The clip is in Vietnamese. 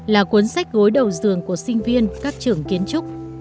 là cuốn sách gối đầu dường của sinh viên các trưởng kiến trúc